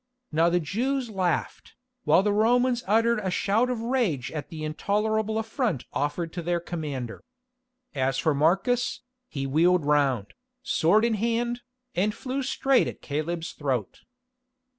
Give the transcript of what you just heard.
Now the Jews laughed, while the Romans uttered a shout of rage at the intolerable affront offered to their commander. As for Marcus, he wheeled round, sword in hand, and flew straight at Caleb's throat.